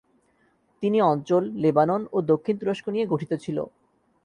তিনি অঞ্চল, লেবানন ও দক্ষিণ তুরস্ক নিয়ে গঠিত ছিল।